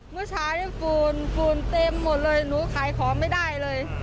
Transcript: เมื่อเช้านี้ปูนฟูนเต็มหมดเลยหนูขายของไม่ได้เลย